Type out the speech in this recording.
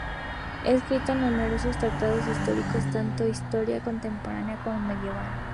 Ha escrito numerosos tratados históricos, tanto de historia contemporánea como medieval.